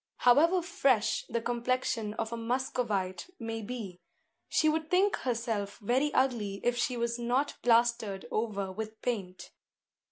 However fresh the complexion of a Muscovite may be, she would think herself very ugly if she was not plastered over with paint.